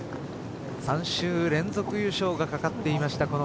３週連続優勝が懸かっていました